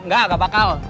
gak gak bakal